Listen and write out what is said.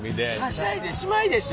はしゃいでしまいでしょ。